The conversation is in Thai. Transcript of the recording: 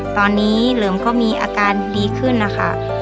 ตอนนี้เหลิมก็มีอาการดีขึ้นนะคะ